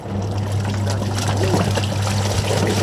Tezdeɣ deg lejwayeh-a.